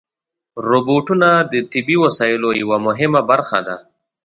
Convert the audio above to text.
روبوټونه د طبي وسایلو یوه مهمه برخه ده.